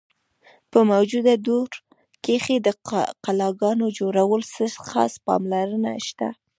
په موجوده دور کښې د قلاګانو جوړولو څۀ خاص پام لرنه نشته۔